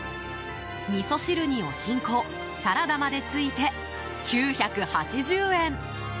みそ汁にお新香サラダまでついて９８０円！